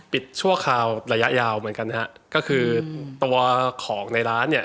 ชั่วคราวระยะยาวเหมือนกันนะฮะก็คือตัวของในร้านเนี่ย